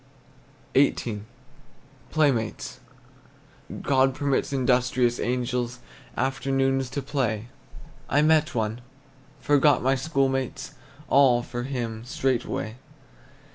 XVIII. PLAYMATES. God permits industrious angels Afternoons to play. I met one, forgot my school mates, All, for him, straightway.